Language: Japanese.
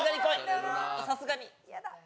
さすがに。